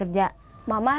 kita kita sama bergaya